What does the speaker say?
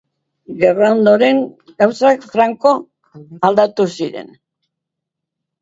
Gerra ondoren gauzak franko aldatu ziren.